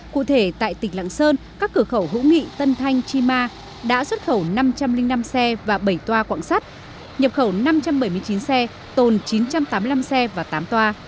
cụ thể tại tỉnh lạng sơn các cửa khẩu hữu nghị tân thanh chi ma đã xuất khẩu năm trăm linh năm xe và bảy toa quảng sắt nhập khẩu năm trăm bảy mươi chín xe tồn chín trăm tám mươi năm xe và tám toa